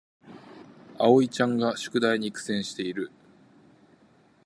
あおいちゃんが宿題に苦戦している